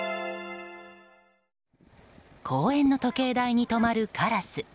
公園の時計台に止まるカラス。